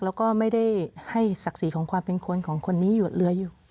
แล้วก็ไม่ได้ให้ศักดิ์ศรีของความเป็นคนของคนนี้อยู่เหลืออยู่